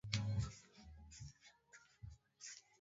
ugonjwa wa ukimwi unaweza kudhibitiwa vizuri